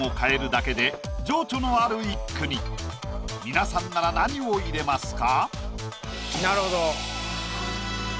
皆さんなら何を入れますか？